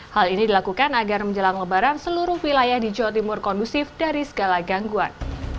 hal ini dilakukan agar menjelang lebaran seluruh wilayah di jawa timur kondusif dari segala gangguan